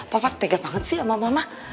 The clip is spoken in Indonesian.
papa tega banget sih sama mama